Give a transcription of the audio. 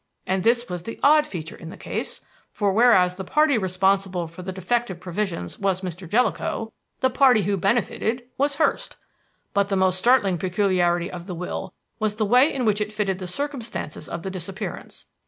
And this was the odd feature in the case, for whereas the party responsible for the defective provisions was Mr. Jellicoe, the party who benefited was Hurst. "But the most startling peculiarity of the will was the way in which it fitted the circumstances of the disappearance.